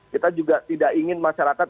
kita juga tidak ingin masyarakat